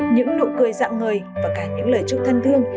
những nụ cười dạng ngời và cả những lời chúc thân thương